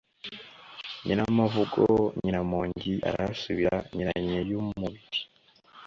NYIRAMAVUGO NYIRAMONGI Arahasubira Nyirankeyumubiri